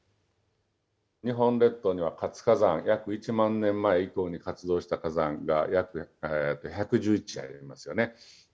日本列島には、活火山、約１万年前に活動した火山が約１１１ありますよね。